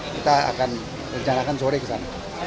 kita akan rencanakan sore ke sana